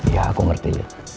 ya aku ngerti